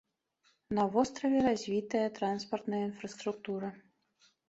На востраве развітая транспартная інфраструктура.